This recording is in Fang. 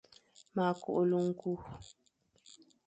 Ma keghle nku.